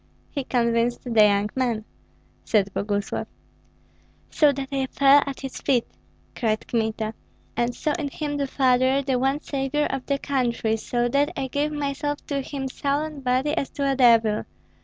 "He convinced the young man," said Boguslav. "So that I fell at his feet," cried Kmita, "and saw in him the father, the one savior, of the country; so that I gave myself to him soul and body as to a devil.